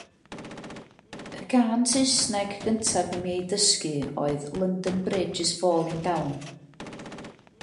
Y gân Saesneg gyntaf i mi ei dysgu oedd London Bridge is falling down.